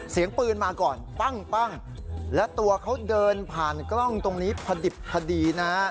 เสียงปืนมาก่อนปั้งและตัวเขาเดินผ่านกล้องตรงนี้พอดิบพอดีนะฮะ